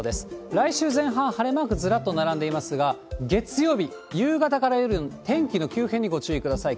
来週前半、晴れマーク、ずらっと並んでいますが、月曜日夕方から夜、天気の急変にご注意ください。